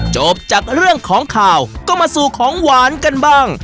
จบจากเรื่องของข่าวก็มาสู่ของหวานกันบ้าง